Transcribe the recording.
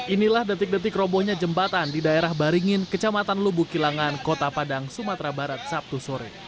inilah detik detik robohnya jembatan di daerah baringin kecamatan lubukilangan kota padang sumatera barat sabtu sore